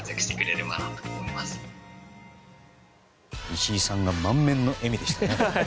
石井さんが満面の笑みでしたね。